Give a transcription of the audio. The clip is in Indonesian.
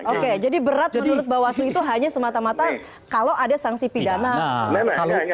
oke jadi berat menurut bawaslu itu hanya semata mata kalau ada sanksi pidana